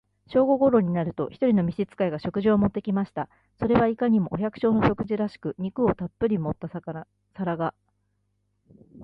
正午頃になると、一人の召使が、食事を持って来ました。それはいかにも、お百姓の食事らしく、肉をたっぶり盛った皿が、